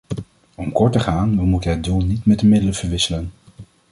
Om kort te gaan: we moeten het doel niet met de middelen verwisselen.